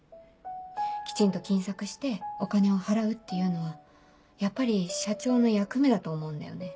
きちんと金策してお金を払うっていうのはやっぱり社長の役目だと思うんだよね。